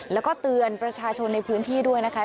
แล้วก็เตือนประชาชนในพื้นที่ด้วยนะคะ